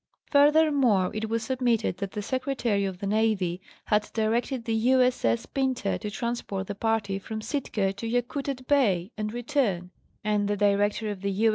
Furthermore it was submitted that the Secretary of the Navy had directed the U. 8. 8. Pinta to transport the party from Sitka to Yakutat Bay and return, and the Director of the U.